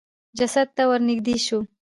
جسد د ته ورنېږدې شو.